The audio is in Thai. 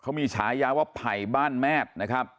เขามีฉายาว่าไผ่บ้านแมทนะครับ